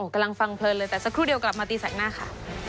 กำลังฟังเพลินเลยแต่สักครู่เดียวกลับมาตีแสกหน้าค่ะ